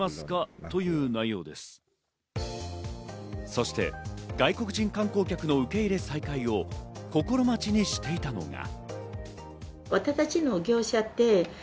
そして、外国人観光客の受け入れ再開を心待ちにしていたのが。